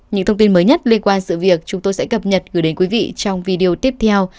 những thông tin mới nhất liên quan sự việc chúng tôi sẽ cập nhật gửi đến quý vị trong video tiếp theo